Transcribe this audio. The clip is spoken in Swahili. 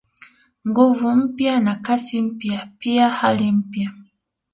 Nguvu mpya na Kasi mpya pia hali mpya